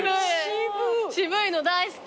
渋いの大好き。